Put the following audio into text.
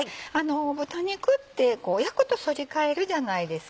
豚肉って焼くと反り返るじゃないですか。